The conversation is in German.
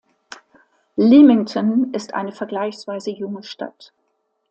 Leamington ist eine vergleichsweise junge Stadt.